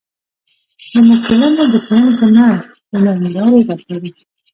زموږ ټولنه د ښوونکو نه، د نندارو ډکه ده.